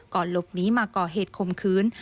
ก่อนลบนี้มาก่อเหตุขมคืน